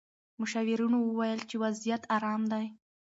مشاورینو وویل چې وضعیت ارام دی.